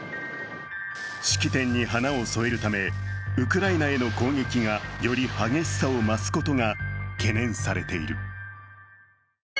式典に花を添えるためウクライナへの攻撃がより激しさを増すことが懸念されている。